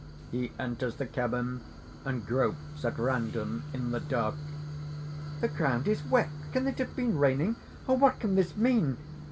(He enters the cabin, and gropes at random in the dark.) "The ground is wet; can it have been raining? What can this mean!